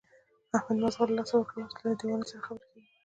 احمد ماغزه له لاسه ورکړي، اوس له دېوالونو سره خبرې کوي.